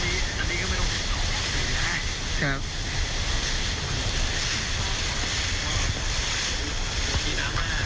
อันนี้อันนี้ก็ไม่ต้องได้ครับ